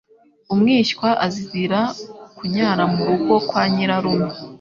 Umwishywa azira kunyara mu rugo kwa Nyirarume,